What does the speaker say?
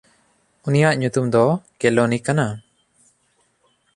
ᱩᱱᱤᱭᱟᱜ ᱧᱩᱛᱩᱢ ᱫᱚ ᱠᱮᱞᱚᱱᱤ ᱠᱟᱱᱟ᱾